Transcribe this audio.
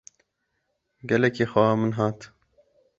Gelekî xewa min hat.